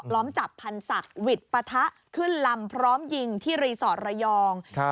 ล้อมจับพันธศักดิ์วิทย์ปะทะขึ้นลำพร้อมยิงที่รีสอร์ทระยอง